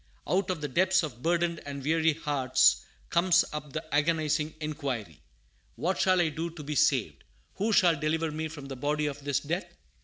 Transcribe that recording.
Out of the depths of burdened and weary hearts comes up the agonizing inquiry, "What shall I do to be saved?" "Who shall deliver me from the body of this death?"